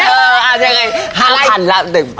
เออใช่ไง๕๐๐๐ละอะไร